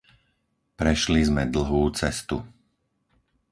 Prešli sme dlhú cestu.